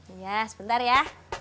iya sebentar ya